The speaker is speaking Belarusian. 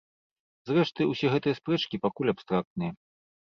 Зрэшты, усе гэтыя спрэчкі пакуль абстрактныя.